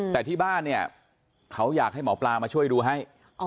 แต่ที่บ้านเนี่ยเขาอยากให้หมอปลามาช่วยดูให้